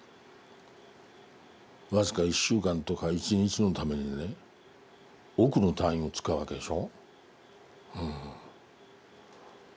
僅か１週間とか１日のためにね億の単位を使うわけでしょ。